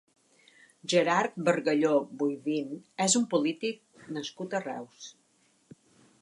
Gerard Bargalló Boivin és un polític nascut a Reus.